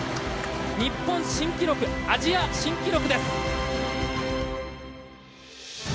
日本新記録アジア新記録です！